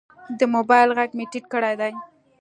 د موبایل غږ مې ټیټ کړی دی.